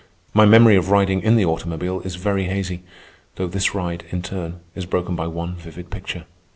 My memory of riding in the automobile is very hazy, though this ride, in turn, is broken by one vivid picture.